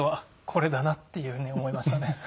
これだなっていうふうに思いましたね。